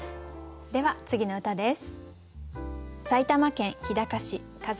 では次の歌です。